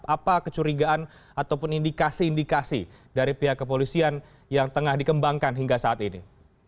apa kecurigaan ataupun indikasi indikasi dari pihak kepolisian yang tengah dikembangkan hingga saat ini